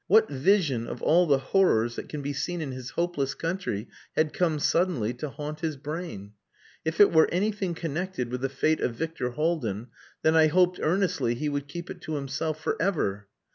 What vision of all the horrors that can be seen in his hopeless country had come suddenly to haunt his brain? If it were anything connected with the fate of Victor Haldin, then I hoped earnestly he would keep it to himself for ever.